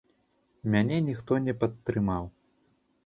Мяне ніхто не падтрымаў.